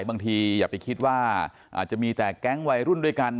อย่าไปคิดว่าอาจจะมีแต่แก๊งวัยรุ่นด้วยกัน